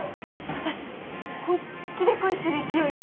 私本気で恋する勢いで